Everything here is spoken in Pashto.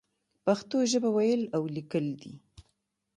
پښتو ژبه ويل او ليکل دې.